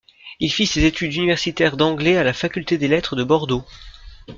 Il fit ses études universitaires d’Anglais à la Faculté des Lettres de Bordeaux.